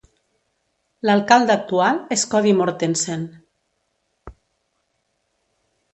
L'alcalde actual és Cody Mortensen.